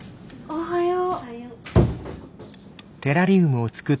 おはよう。